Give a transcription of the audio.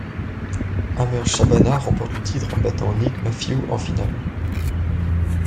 Amr Shabana remporte le titre en battant Nick Matthew en finale.